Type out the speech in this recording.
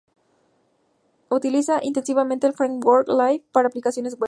Utiliza intensivamente el framework "Lift" para aplicaciones web.